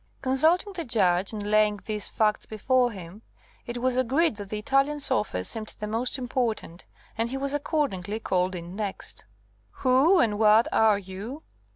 Consulting the Judge, and laying these facts before him, it was agreed that the Italian's offer seemed the most important, and he was accordingly called in next. "Who and what are you?"